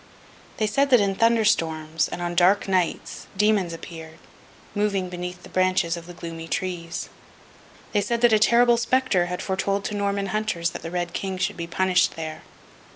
They said that in thunder storms, and on dark nights, demons appeared, moving beneath the branches of the gloomy trees. They said that a terrible spectre had foretold to Norman hunters that the Red King should be punished there.